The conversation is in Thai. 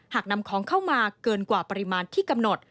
หากนำของเข้ามาเกินกว่าปริมาณที่กำหนด